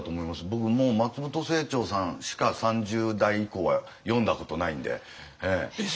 僕もう松本清張さんしか３０代以降は読んだことないんで。えっ！？